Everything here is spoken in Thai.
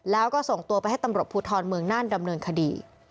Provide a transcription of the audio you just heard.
แล้วก็ส่งตัวไปให้ตำรวจภูทรเมืองน่านดำเนินคดี